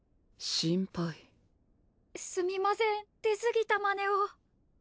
すみません出過ぎたまねを。